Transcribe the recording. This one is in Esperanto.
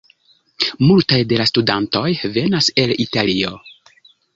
Multaj de la studantoj venas el Italio.